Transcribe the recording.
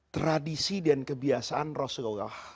tradisi dan kebiasaan rasulullah